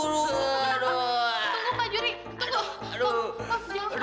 tunggu pak tunggu pak juri